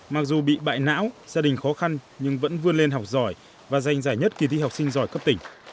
mặc dù bị bại não gia đình khó khăn nhưng vẫn vươn lên học giỏi và giành giải nhất kỳ thi học sinh giỏi cấp tỉnh